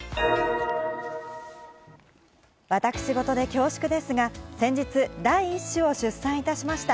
私事で恐縮ですが、先日第一子を出産いたしました。